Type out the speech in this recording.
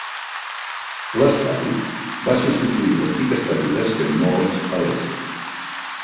L'estadi va substituir l'antic estadi d'Espenmoos a l'est.